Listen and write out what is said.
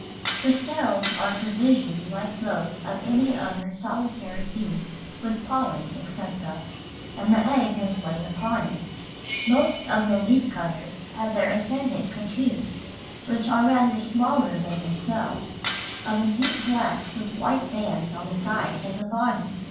The cells are provisioned like those of any other solitary bee with pollen, etc., and the egg is laid upon it. Most of the leaf cutters have their attendant cuckoos, which are rather smaller than themselves, of a deep black with white bands on the sides of the body.